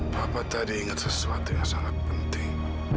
bapak tadi ingat sesuatu yang sangat penting